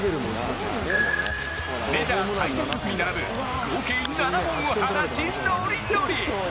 メジャー最多記録に並ぶ合計７本を放ち、ノリノリ！